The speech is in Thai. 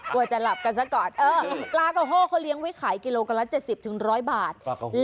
กลัวจะหลับกันซะก่อนเออปลากระโฮเขาเลี้ยงไว้ขายกิโลกรัมละ๗๐๑๐๐บาท